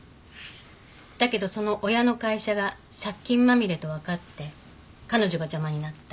だけどその親の会社が借金まみれと分かって彼女が邪魔になった。